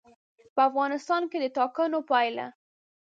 په افغانستان کې د ټاکنو پایله.